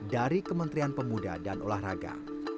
dari kementerian pemuda dan olahraga